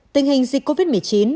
tình hình dịch covid một mươi chín